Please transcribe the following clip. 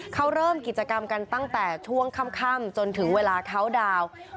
เขาเริ่มกิจกรรมกันตั้งแต่ช่วงค่ำจนถึงเวลาเขาดาวน์